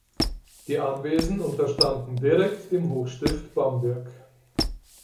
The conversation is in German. Die Anwesen unterstanden direkt dem Hochstift Bamberg.